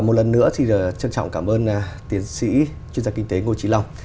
một lần nữa thì trân trọng cảm ơn tiến sĩ chuyên gia kinh tế ngô trí long